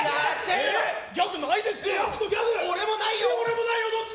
ギャグ、ないです。